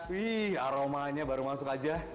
wih aromanya baru masuk aja